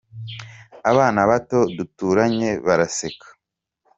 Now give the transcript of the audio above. abana bato duturanye baraseka.